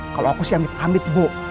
kalau aku si amit amit mbok